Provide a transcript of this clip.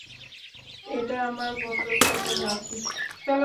এটা আমার বন্ধুর ফটোগ্রাফি।